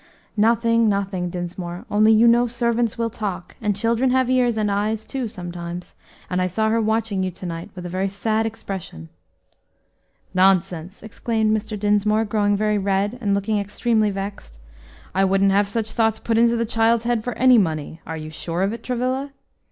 "Nothing, nothing, Dinsmore, only you know servants will talk, and children have ears, and eyes, too, sometimes, and I saw her watching you to night with a very sad expression." "Nonsense!" exclaimed Mr. Dinsmore, growing very red and looking extremely vexed; "I wouldn't have had such thoughts put into the child's head for any money. Are you sure of it, Travilla?"